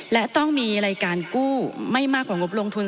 และต้องมีรายการกู้ไม่มากกว่างบลงทุน